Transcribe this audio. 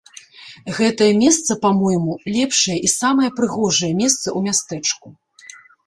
Гэтае месца, па-мойму, лепшае і самае прыгожае месца ў мястэчку.